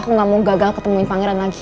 aku nggak mau gagal ketemuin pangeran lagi